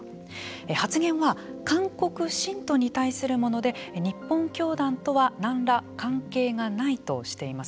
発言は韓国信徒に対するもので日本教団とは何ら関係がないとしています。